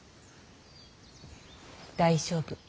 大丈夫。